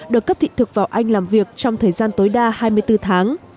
được cấp thị thực vào anh làm việc trong thời gian tối đa hai mươi bốn tháng